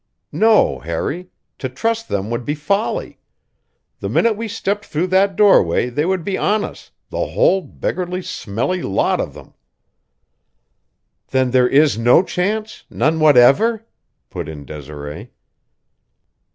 "No, Harry; to trust them would be folly. The minute we stepped through that doorway they would be on us the whole beggarly, smelly lot of them." "Then there is no chance none whatever?" put in Desiree.